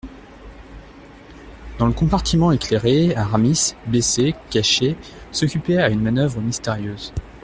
Dans le compartiment éclairé, Aramis, baissé, caché, s'occupait à une manoeuvre mystérieuse.